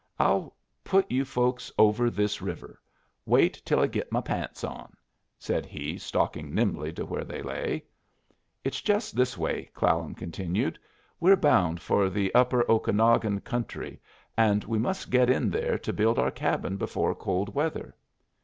I'll put you folks over this river. Wait till I git my pants on," said he, stalking nimbly to where they lay. "It's just this way," Clallam continued; "we're bound for the upper Okanagon country, and we must get in there to build our cabin before cold weather."